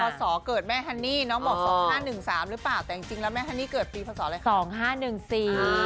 พอสอเกิดแม่ฮันนี่น้องบอก๒๕๑๓หรือเปล่าแต่จริงแล้วแม่ฮันนี่เกิดปีพอสออะไร